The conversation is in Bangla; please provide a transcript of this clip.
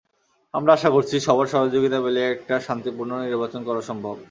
আমরা আশা করছি, সবার সহযোগিতা পেলে একটা শান্তিপূর্ণ নির্বাচন করা সম্ভব।